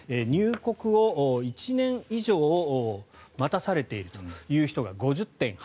入国を１年以上待たされているという人が５０．８％